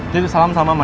jadi salam sama mama ya